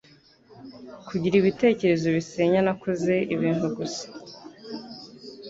kugira ibitekerezo bisenya Nakoze ibintu gusa